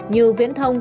như viễn thông